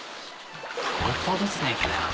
最高ですねこれは。